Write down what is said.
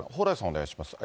お願いします。